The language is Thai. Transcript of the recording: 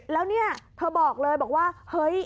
แล้วเนี่ยเธอบอกเลยบอกว่าเฮ้ย